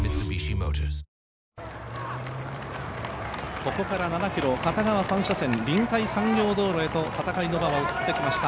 ここから７ｋｍ、片側３車線臨海産業道路へと戦いの場は移ってきました。